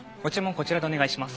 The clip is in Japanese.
こちらでお願いします。